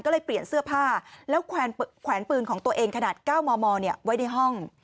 ก็เลยเปลี่ยนเสื้อผ้าแล้วแขวนปืนของตัวเองขนาด๙มมไว้ในห้อง